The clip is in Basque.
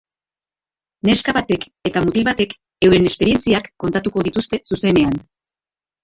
Neska batek eta mutil batek euren esperientziak kontatuko dituzte zuzenean.